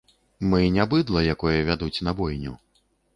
Мы не быдла, якое вядуць на бойню.